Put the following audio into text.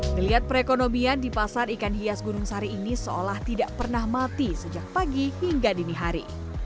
melihat perekonomian di pasar ikan hias gunung sari ini seolah tidak pernah mati sejak pagi hingga dini hari